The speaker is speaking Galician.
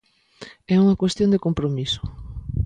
É unha cuestión de compromiso.